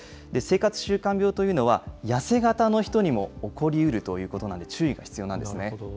生活習慣病というのは、痩せ型の人にも起こりうるということなんで、注意が必要なんですね。